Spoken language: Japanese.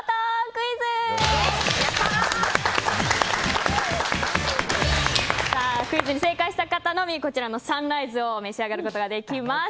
クイズに正解した方のみサンライズを召し上がることができます。